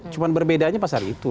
cuman berbedanya pas hari itu